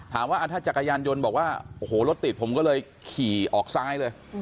ถามว่าถ้าจักรยานยนต์บอกว่าโอ้โหรถติดผมก็เลยขี่ออกซ้ายเลย